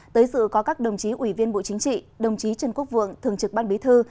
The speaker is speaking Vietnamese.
tới sự có các đồng chí ủy viên bộ chính trị đồng chí trần quốc vượng thường trực ban bí thư